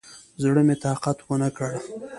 زړه مې طاقت ونکړ.